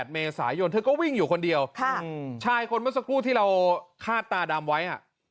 เมษายนเธอก็วิ่งอยู่คนเดียวชายคนเมื่อสักครู่ที่เราคาดตาดำไว้